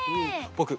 ぼく